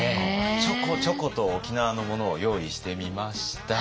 ちょこちょこと沖縄のものを用意してみました。